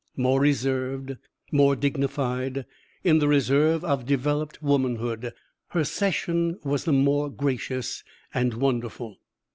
More reserved, more dignified, in the reserve of developed womanhood, her cession was the more gracious and wonderful.